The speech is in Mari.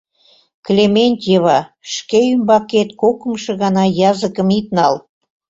Клементьева, шке ӱмбакет кокымшо гана языкым ит нал.